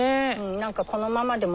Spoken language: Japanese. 何かこのままでも。